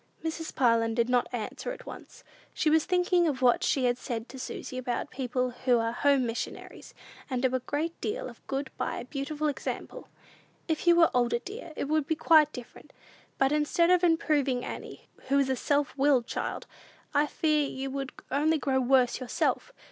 Mrs. Parlin did not answer at once. She was thinking of what she had said to Susy about people who are "home missionaries," and do a great deal of good by a beautiful example. "If you were older, dear, it would be quite different. But, instead of improving Annie, who is a self willed child, I fear you would only grow worse yourself.